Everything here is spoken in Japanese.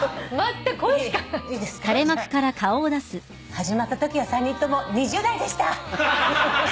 始まったときは３人とも２０代でした。